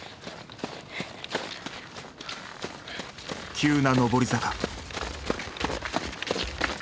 急な上り坂。